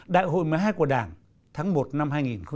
đại hội một mươi hai của đảng tháng một năm hai nghìn một mươi sáu